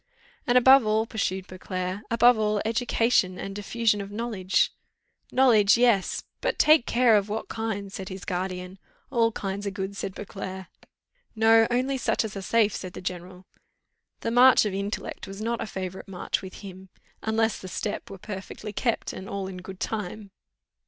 "And above all," pursued Beauclerc, "above all, education and the diffusion of knowledge " "Knowledge yes, but take care of what kind," said his guardian. "All kinds are good," said Beauclerc. "No, only such as are safe," said the general. The march of intellect was not a favourite march with him, unless the step were perfectly kept, and all in good time.